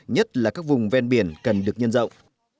nhất là các vùng ven biển cần được nhân rộng